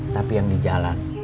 tapi yang di jalan